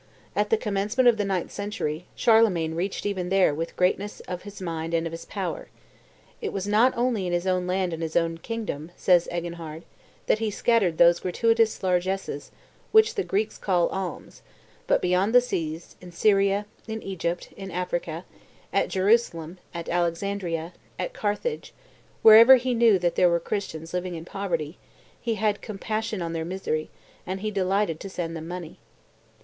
At the commencement of the ninth century, Charlemagne reached even there with the greatness of his mind and of his power. "It was not only in his own land and his own kingdom," says Eginhard, "that he scattered those gratuitous largesses which the Greeks call alms; but beyond the seas, in Syria, in Egypt, in Africa, at Jerusalem, at Alexandria, at Carthage, wherever he knew that there were Christians living in poverty, he had compassion on their misery, and he delighted to send them money."